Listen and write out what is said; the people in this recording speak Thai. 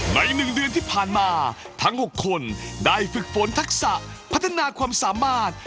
ใน๑เดือนที่ผ่านมาทั้ง๖คนได้ฝึกฝนทักษะพัฒนาความสามารถ